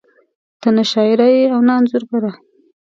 ته نه شاعره ېې او نه انځورګره